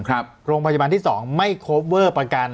โรงพยาบาลที่๒ไม่โคเวอร์ประกัน